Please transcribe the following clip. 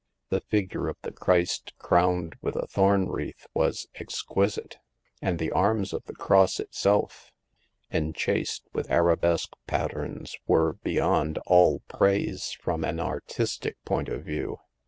The figure of the Christ crowned with a thorn wreath was exqui site ; and the arms of the cross itself, enchased with arabesque patterns, were beyond all praise from an artistic point of view.